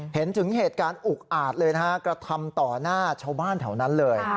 เห็นถึงเหตุการณ์อุกอาจเลยนะฮะกระทำต่อหน้าชาวบ้านแถวนั้นเลย